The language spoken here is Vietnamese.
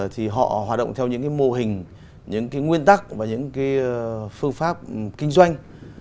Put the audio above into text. thì họ hoạt động theo những cái mô hình những cái nguyên tắc và những cái phương pháp kinh doanh